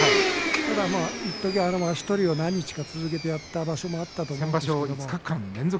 ただ、いっとき、あの足取りを何日か続けてやった場所もありました。